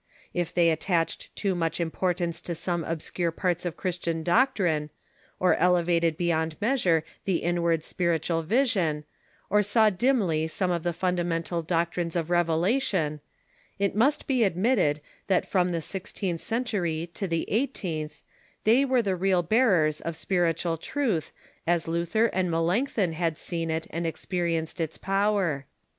If they attaclied too much importance to some obscure parts of Christian doctrine, or elevated beyond measure the inward spiritual vision, or saw diml}' some of the fundamental doc trines of revelation, it must be admitted that from the six teenth century to the eighteenth they were the real bearei's of spiritual truth, as Luther and Melanchthon had seen it and experienced its power.